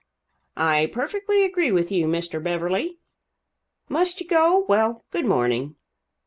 "I perfectly agree with you, Mr. Beverly. Must you go? Well, good morning.